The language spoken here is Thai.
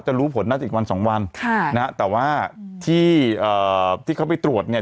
รู้ผลน่าจะอีกวันสองวันค่ะนะฮะแต่ว่าที่เอ่อที่เขาไปตรวจเนี่ย